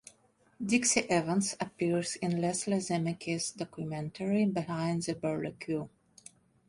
Dixie Evans appears in Leslie Zemeckis' documentary "Behind the Burly Q".